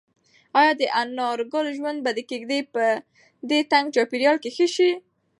ایا د انارګل ژوند به د کيږدۍ په دې تنګ چاپېریال کې ښه شي؟